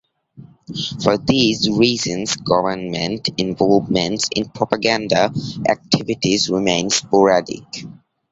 For these reasons government involvement in propaganda activities remained sporadic.